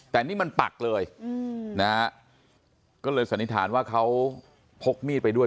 แต่นี่มันปักเลยนะฮะก็เลยสันนิษฐานว่าเขาพกมีดไปด้วย